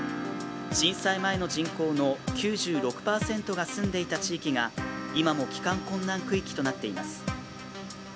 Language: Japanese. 震災前の人口の９６％が住んでいた地域が今も帰還困難区域となっています。